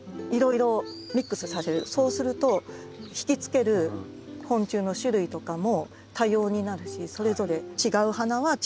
そうすると引きつける昆虫の種類とかも多様になるしそれぞれ違う花は違う虫。